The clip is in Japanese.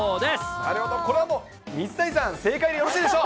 なるほど、これはもう、水谷さん、正解でよろしいでしょう。